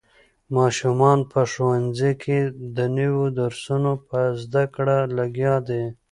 ماشومان په ښوونځي کې د نوو درسونو په زده کړه لګیا دي.